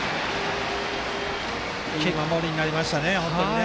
いい守りになりましたね。